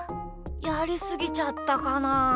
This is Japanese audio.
やりすぎちゃったかな？